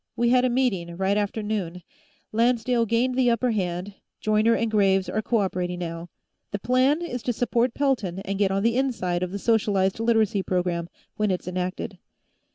We had a meeting, right after noon. Lancedale gained the upper hand; Joyner and Graves are co operating, now; the plan is to support Pelton and get on the inside of the socialized Literacy program, when it's enacted."